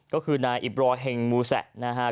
ก็คือนายอิปรคิงมูแสะ